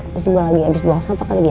pas gue lagi abis buang sampah kan dia